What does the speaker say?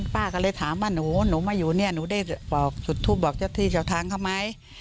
ป้าก็เลยถามว่าหนูมาอยู่หนูได้จุดทูปบอกเจ้าที่เฉียวทั้งเขาไหม